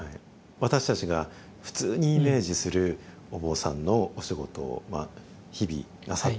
私たちが普通にイメージするお坊さんのお仕事を日々なさってるわけですよね。